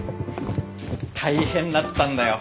大変だったんだよ。